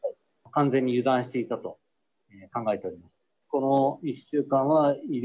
完全に油断していたと考えております。